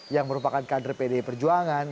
yang merupakan kader pdi perjuangan